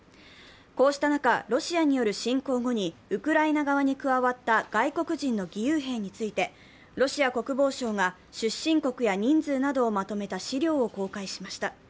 こうした中ロシアによる侵攻後にウクライナ側に加わった外国人の義勇兵について、ロシア国防省が出身国や人数などをまとめた資料を公開しました。